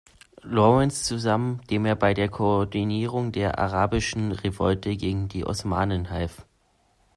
Lawrence zusammen, dem er bei der Koordinierung der Arabischen Revolte gegen die Osmanen half.